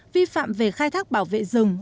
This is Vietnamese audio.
vi phạm về khai thác bảo vệ rừng